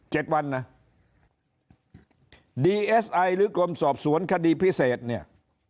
วันนะดีเอสไอหรือกรมสอบสวนคดีพิเศษเนี่ย